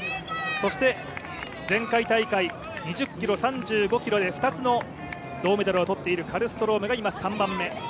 そして、前回大会２０ｋｍ、３５ｋｍで２つの銅メダルを取っているカルストロームが現在３番目。